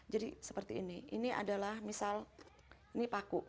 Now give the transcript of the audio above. jadi seperti ini ini adalah misal ini paku